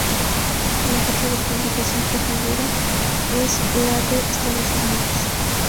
La fecha de publicación que figura es la de Estados Unidos.